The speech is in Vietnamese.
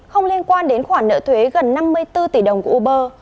không liên quan đến khoản nợ thuế gần năm mươi bốn tỷ đồng của uber